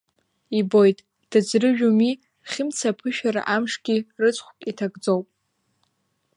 Ибоит, дыӡрыжәуми, Хьымца, аԥышәара амшгьы рыцхәк иҭагӡоуп.